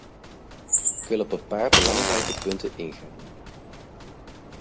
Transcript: Ik wil op een paar belangrijke punten ingaan.